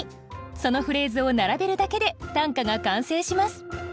そのフレーズを並べるだけで短歌が完成します